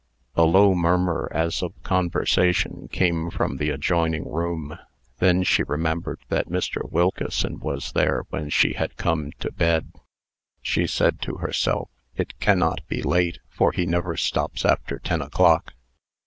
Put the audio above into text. A low murmur, as of conversation, came from the adjoining room. Then she remembered that Mr. Wilkeson was there when she had come to bed. She said to herself: "It cannot be late; for he never stops after ten o'clock."